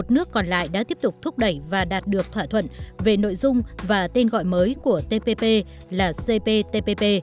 một nước còn lại đã tiếp tục thúc đẩy và đạt được thỏa thuận về nội dung và tên gọi mới của tpp là cptpp